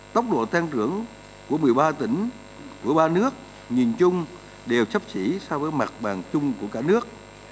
tốc độ tăng trưởng của một mươi ba tỉnh của ba nước nhìn chung đều chấp chỉ so với mặt bàn chung của cả nước